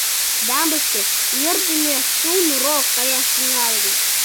Дамбышке йӧрдымӧ шун рок каяш тӱҥалын...